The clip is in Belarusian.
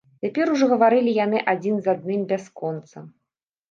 Цяпер ужо гаварылі яны адзін з адным бясконца.